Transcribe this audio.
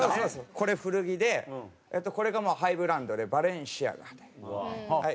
これ古着でこれがハイブランドでバレンシアガで。